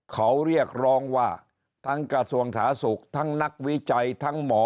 เขาเรียกร้องว่าทั้งกระทรวงสาธารณสุขทั้งนักวิจัยทั้งหมอ